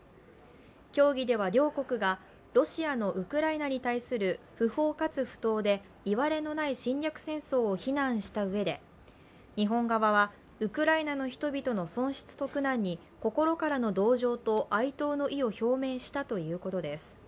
協議では両国が、ロシアのウクライナに対する不法かつ不当でいわれのない戦略戦争を非難したうえで日本側はウクライナの人々の損失と苦難に心からの同情と哀悼の意を表明したということです。